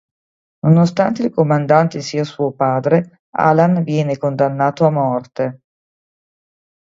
Nonostante il comandante sia suo padre, Alan viene condannato a morte.